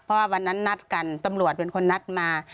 เพราะว่าวันนั้นนัดกันตำรวจเป็นคนนัดมา